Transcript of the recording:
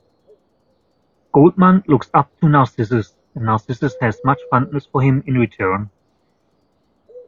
Goldmund looks up to Narcissus, and Narcissus has much fondness for him in return.